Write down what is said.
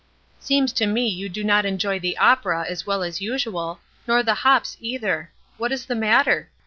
"Seems to me you do not enjoy the opera as well as usual, nor the hops either. What is the matter?